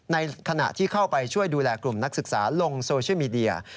ในขณะที่เข้าไปช่วยดูแลกลุ่มนักศึกษาลงโซเชียลมีเดีย